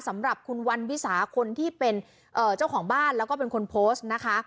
สำหรับคุณวันวิสาคนที่เป็นเจ้าของบ้านแล้วก็เป็นคนโพสต์นะคะ